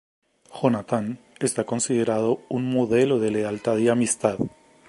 Jonatán está considerado un modelo de lealtad y amistad.